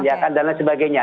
ya kan dan lain sebagainya